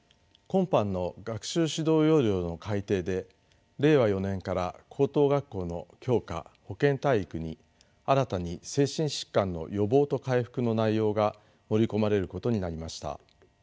今般の学習指導要領の改訂で令和４年から高等学校の教科保健体育に新たに「精神疾患の予防と回復」の内容が盛り込まれることになりました。